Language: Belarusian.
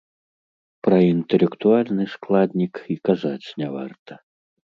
Пра інтэлектуальны складнік і казаць не варта.